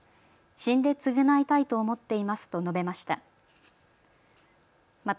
死んで償いたいと思っていますと述べました。